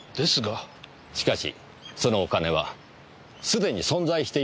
しかしそのお金はすでに存在していません。